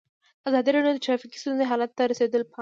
ازادي راډیو د ټرافیکي ستونزې حالت ته رسېدلي پام کړی.